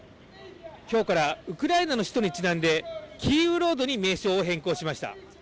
今日からウクライナの首都にちなんでキーウ・ロードに名称を変更しました。